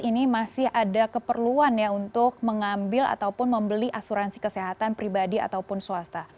ini masih ada keperluan ya untuk mengambil ataupun membeli asuransi kesehatan pribadi ataupun swasta